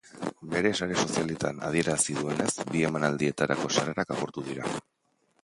Bere sare sozialetan adierazi duenez, bi emanaldietarako sarrerak agortu dira.